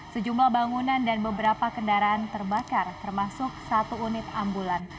sejumlah bangunan dan beberapa kendaraan terbakar termasuk satu unit ambulan